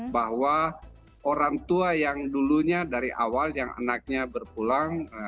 bahwa orang tua yang dulunya dari awal yang anaknya berpulang